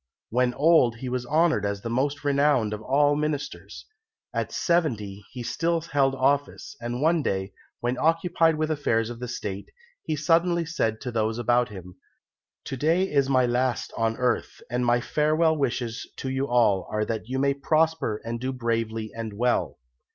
When old he was honoured as the most renowned of all ministers. At seventy he still held office, and one day, when occupied with the affairs of State, he suddenly said to those about him, "To day is my last on earth, and my farewell wishes to you all are that you may prosper and do bravely and well."